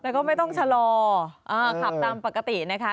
แล้วก็ไม่ต้องชะลอขับตามปกตินะคะ